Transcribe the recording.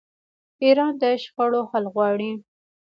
ایران د شخړو حل غواړي.